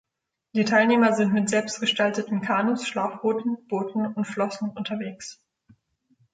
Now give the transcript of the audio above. Die Teilnehmer sind mit selbst gestalteten Kanus, Schlauchbooten, Booten und Flossen unterwegs.